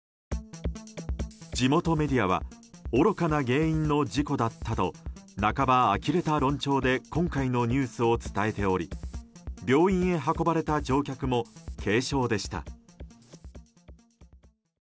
地元メディアは愚かな原因の事故だったと半ばあきれた論調で今回のニュースを伝えており病院へ運ばれた乗客も軽傷でした。